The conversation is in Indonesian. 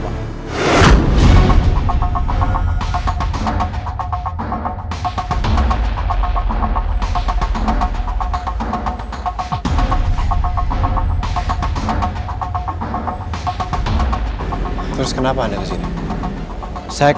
buat sebenarnya dapet corpo mama ungu